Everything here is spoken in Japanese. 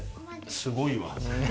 すごいわ。